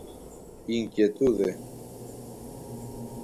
Inquietude.